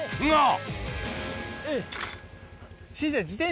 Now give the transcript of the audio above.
今。